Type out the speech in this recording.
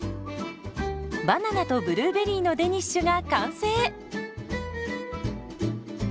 バナナとブルーベリーのデニッシュが完成。